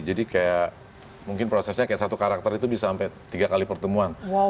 jadi kayak mungkin prosesnya kayak satu karakter itu bisa sampai tiga kali pertemuan